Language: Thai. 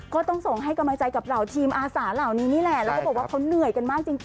ก็ต้องส่งให้กำลังใจกับเหล่าทีมอาสาเหล่านี้นี่แหละแล้วก็บอกว่าเขาเหนื่อยกันมากจริง